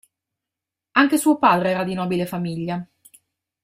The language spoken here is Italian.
Anche suo padre era di nobile famiglia.